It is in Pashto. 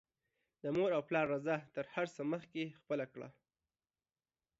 د مور او پلار رضاء تر هر څه مخکې خپله کړه